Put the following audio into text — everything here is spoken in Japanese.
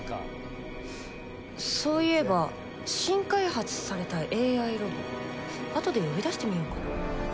そういえば新開発されたＡＩロボあとで呼び出してみようか。